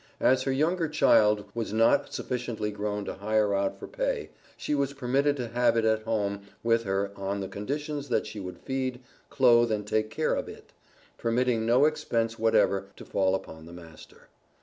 As her younger child was not sufficiently grown to hire out for pay, she was permitted to have it at home with her on the conditions that she would feed, clothe and take good care of it, permitting no expense whatever to fall upon the master.